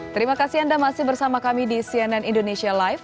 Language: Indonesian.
terima kasih anda masih bersama kami di cnn indonesia live